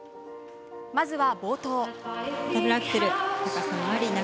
まずは冒頭。